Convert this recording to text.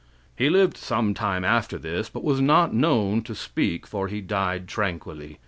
He lived some time after this, but was not known to speak, for he died tranquilly.